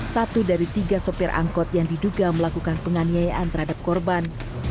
satu dari tiga sopir angkot yang diduga melakukan penganiayaan terhadap korban